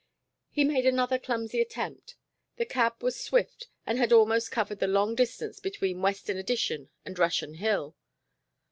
He made another clumsy attempt. The cab was swift and had almost covered the long distance between the Western Addition and Russian Hill.